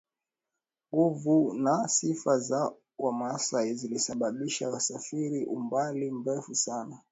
nguvu na sifa za wamasai zilisababisha wasafiri umbali mrefu sana